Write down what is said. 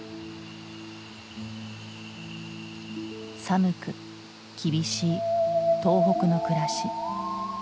寒く厳しい東北の暮らし。